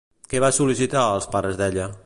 Què va sol·licitar als pares d'ella?